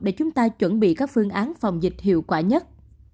để chúng ta chuẩn bị các phương án phòng dịch hiệu quả nhất